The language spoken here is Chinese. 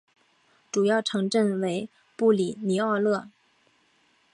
主要城镇为布里尼奥勒。